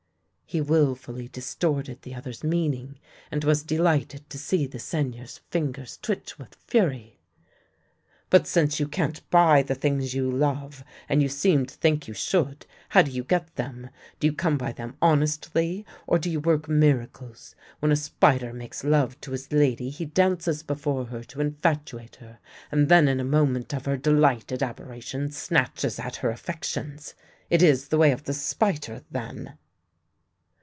He wilfully distorted the other's meaning, and was de lighted to see the Seigneur's fingers twitch with fury. " But since you can't buy the things you love — and you seem to think you should — how do you get them? Do you come by them honestly, or do you work miracles? When a spider makes love to his lady he dances before her to infatuate her, and then in a moment of her de lighted aberration snatches at her affections. It is the way of the spider, then?